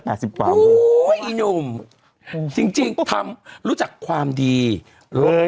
สิบกว่าโอ้โหอีหนุ่มจริงจริงทำรู้จักความดีเลย